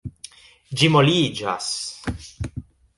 Ĝi moliĝas.